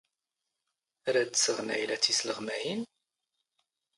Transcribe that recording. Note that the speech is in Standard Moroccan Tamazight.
ⵔⴰⴷ ⴷ ⵜⵙⵖ ⵏⴰⵢⵍⴰ ⵜⵉⵙⵍⵖⵎⴰⵢⵉⵏ?